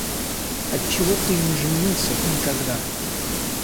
Отчего ты не женился никогда?